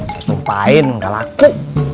saya sumpahin enggak laku